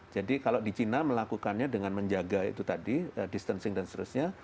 jadi kalau di china melakukannya dengan menjaga itu tadi distancing dan seterusnya